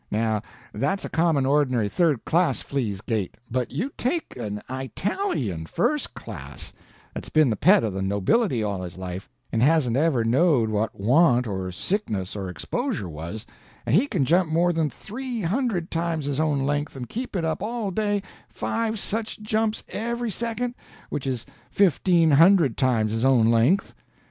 Now that's a common, ordinary, third class flea's gait; but you take an Eyetalian first class, that's been the pet of the nobility all his life, and hasn't ever knowed what want or sickness or exposure was, and he can jump more than three hundred times his own length, and keep it up all day, five such jumps every second, which is fifteen hundred times his own length.